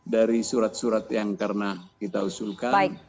dari surat surat yang karena kita usulkan